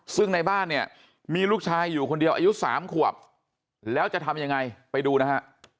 ซึ่งในบ้านเนี่ยมีลูกชายอยู่คนเดียวอายุ๓ขวบแล้วจะทำยังไงไปดูนะฮะ